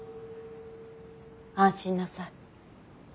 安心なさい。